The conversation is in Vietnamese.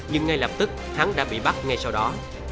nhưng ngay lập tức thắng đã bị bắt ngay sau đó